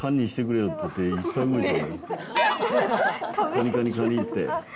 カニカニカニって。